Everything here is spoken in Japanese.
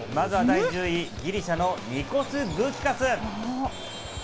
まずは第１０位ギリシャのニコス・グーキカス。